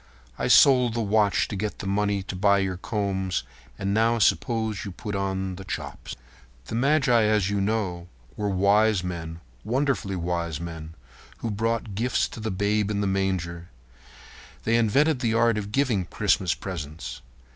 I sold the watch to get the money to buy your combs. And now suppose you put the chops on." The magi, as you know, were wise men—wonderfully wise men—who brought gifts to the Babe in the manger. They invented the art of giving Christmas presents.